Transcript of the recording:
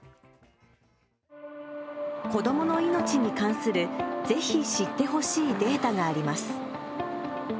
子どもの命に関するぜひ知ってほしいデータがあります。